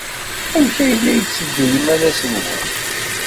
Amek ay la yetteddu yimalas-nwen?